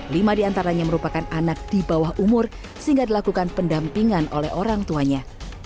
lima diantaranya merupakan anak di bawah umur sehingga dilakukan pendampingan oleh orang tuanya